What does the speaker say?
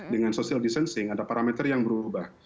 dengan social distancing ada parameter yang berubah